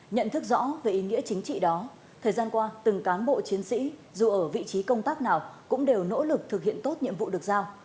nhận thức rõ về ý nghĩa chính trị đó thời gian qua từng cán bộ chiến sĩ dù ở vị trí công tác nào cũng đều nỗ lực thực hiện tốt nhiệm vụ được giao